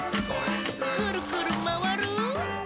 「くるくるまわる！」